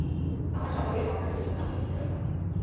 আমার সরকারের আপনার প্রতি শ্রদ্ধা আছে, সেনোরিটা।